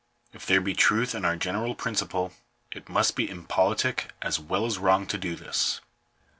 If there be truth in our general principle, it must be impolitic as well as wrong to do this.